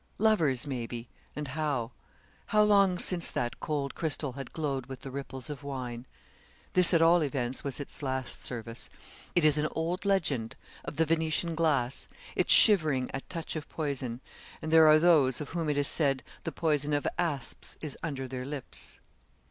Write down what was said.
Lovers', maybe, and how. How long since that cold crystal had glowed with the ripples of wine? This, at all events, was its last service. It is an old legend of the Venetian glass its shivering at touch of poison; and there are those of whom it is said, 'the poison of asps is under their lips.'